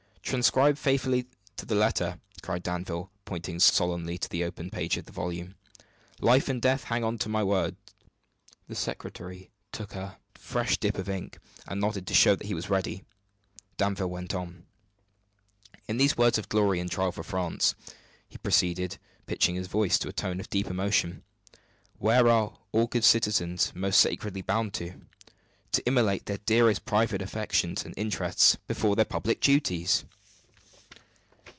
"Transcribe faithfully to the letter!" cried Danville, pointing solemnly to the open page of the volume. "Life and death hang on my words." The secretary took a fresh dip of ink, and nodded to show that he was ready. Danville went on: "In these times of glory and trial for France," he proceeded, pitching his voice to a tone of deep emotion, "what are all good citizens most sacredly bound to do? To immolate their dearest private affections and interests before their public duties!